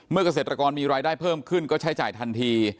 เกษตรกรมีรายได้เพิ่มขึ้นก็ใช้จ่ายทันที